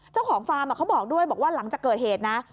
เจ้าของอะเขาบอกด้วยบอกว่าหลังจะเกิดเหตุนั้น